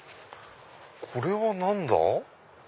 これは何だ？